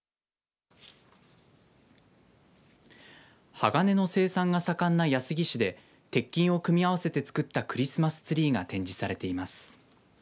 鋼の生産が盛んな安来市で鉄筋を組み合わせて作ったクリスマスツリーが展示されています。